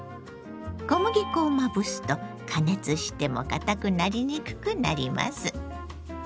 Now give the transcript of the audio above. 小麦粉をまぶすと加熱してもかたくなりにくくなります。